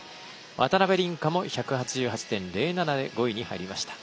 渡辺倫果も１８８．０７で５位に入りました。